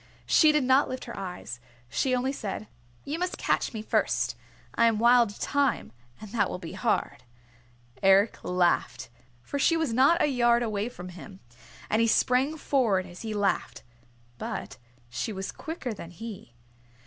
She did not lift her eyes. She only said, "You must catch me first. I am Wild Thyme, and that will be hard!" Eric laughed, for she was not a yard away from him. And he sprang forward as he laughed. But she was quicker than he.